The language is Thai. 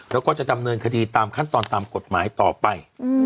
แล้วก็จะดำเนินคดีตามขั้นตอนตามกฎหมายต่อไป